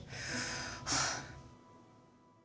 はあ。